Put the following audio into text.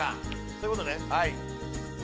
そういうことね。